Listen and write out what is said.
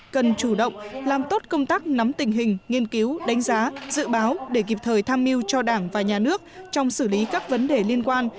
cần chủ động làm tốt công tác nắm tình hình nghiên cứu đánh giá dự báo để kịp thời tham mưu cho đảng và nhà nước trong xử lý các vấn đề liên quan